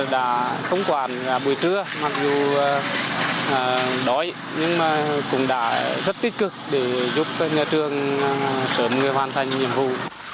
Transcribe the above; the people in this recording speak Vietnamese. đã không quản buổi trưa mặc dù đói nhưng cũng đã rất tích cực để giúp nhà trường sớm hoàn thành nhiệm vụ